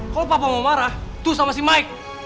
kalau papa mau marah tuh sama si mike